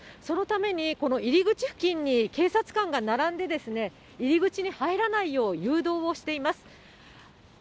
そのためにこの入り口付近に警察官が並んで、入り口に入らないよう誘導をしています。